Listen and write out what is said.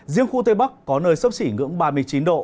riêng khu tây bắc có nơi sấp xỉ ngưỡng ba mươi chín độ